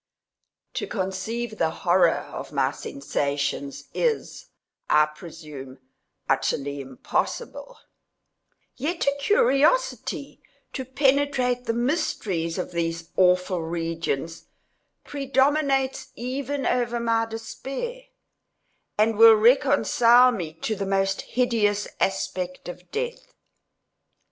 To conceive the horror of my sensations is, I presume, utterly impossible; yet a curiosity to penetrate the mysteries of these awful regions, predominates even over my despair, and will reconcile me to the most hideous aspect of death.